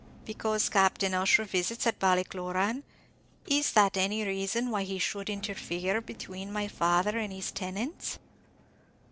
"Because Captain Ussher visits at Ballycloran, is that any reason why he should interfere between my father and his tenants?"